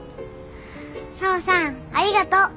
沙和さんありがとう。